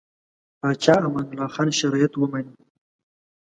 پاچا امان الله خان شرایط ومني.